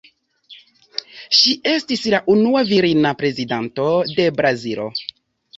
Ŝi estis la unua virina Prezidanto de Brazilo.